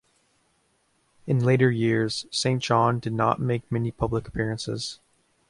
In later years, Saint John did not make many public appearances.